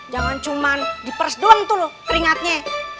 jangan cuman di pers doang tuh loh keringatnya